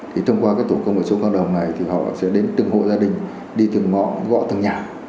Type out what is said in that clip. thì thông qua cái tổ công vật số cộng đồng này thì họ sẽ đến từng hộ gia đình đi từng ngọn gõ từng nhà